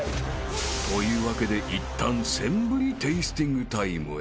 ［というわけでいったんセンブリテイスティングタイムへ］